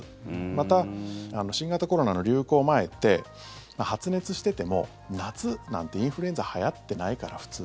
また、新型コロナの流行前って発熱してても夏なんて、インフルエンザはやってないから、普通。